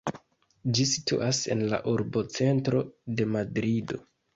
Ĝi situas en la urbocentro de Madrido.